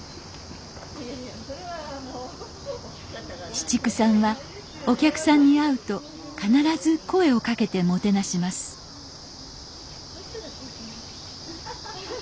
紫竹さんはお客さんに会うと必ず声をかけてもてなしますハハハハハハッ。